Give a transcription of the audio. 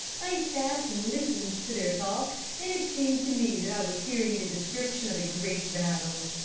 I sat and listened to their talk, and it seemed to me that I was hearing the description of a great battle.